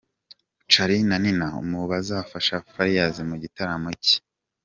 Charly na Nina mu bazafasha Farious mu gitaramo cye .